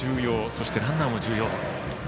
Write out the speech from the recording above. そして、ランナーも重要。